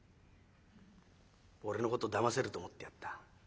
俺のことだませると思ってやんだ。